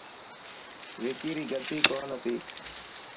وڪي ري غلطي ڪوني هتي.